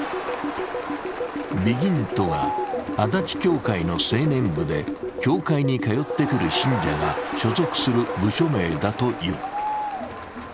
びぎんとは、足立教会の青年部で教会に通ってくる信者が所属する部署名だという。